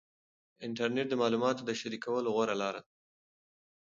انټرنیټ د معلوماتو د شریکولو غوره لار ده.